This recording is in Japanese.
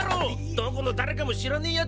どこの誰かも知らねぇ奴